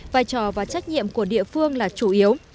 vai trò và trách nhiệm của địa phương là chủ yếu